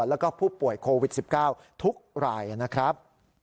แล้วก็ผู้ป่วยโควิด๑๙ทุกรายนะครับ